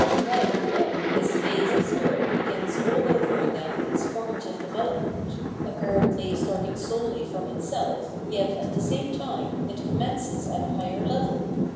While, then, this phase of Spirit begins all over again its formative development, apparently starting solely from itself, yet at the same time it commences at a higher level.